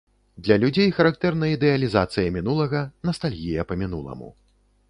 Для людзей характэрна ідэалізацыя мінулага, настальгія па мінуламу.